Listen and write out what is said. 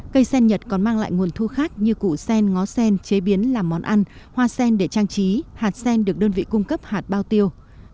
cây sen nhật còn mang lại nguồn thu khác như củ sen ngó sen chế biến làm món ăn hoa sen để trang trí hạt sen được đơn vị cung cấp hạt bao tiêu